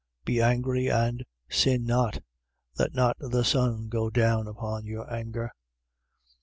4:26. Be angry: and sin not. Let not the sun go down upon your anger.